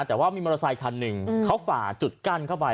แต่ว่ามีมอเตอร์ไซคันหนึ่งเขาฝ่าจุดกั้นเข้าไป